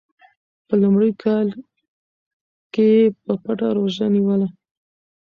په لومړي کال کې یې په پټه روژه نیوله.